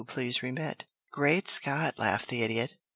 Please remit. "Great Scott!" laughed the Idiot.